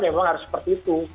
memang harus seperti itu